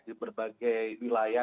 di berbagai wilayah